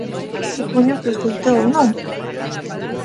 Supoño que o escoitou, ¿non?